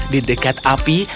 di dekat api